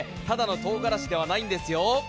ただのとうがらしではないんですよ。